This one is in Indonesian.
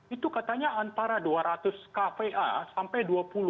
itu katanya antara dua ratus kva sampai dua puluh